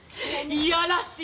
いやらしい！